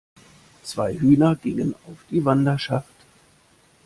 Zwei Hühner gingen auf die Wanderschaft!